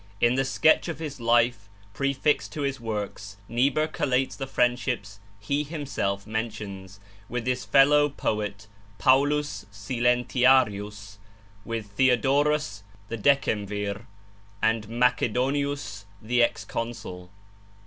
In the sketch of his life prefixed to his works, Niebuhr collates the friendships he himself mentions, with his fellow poet Paulus Silentiarius, with Theodorus the decemvir, and Macedonius the ex consul.